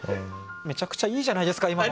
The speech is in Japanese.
めちゃくちゃいいじゃないですか今の。